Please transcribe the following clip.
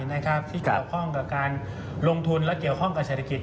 ที่เกี่ยวข้องกับการลงทุนและเกี่ยวข้องกับเศรษฐกิจ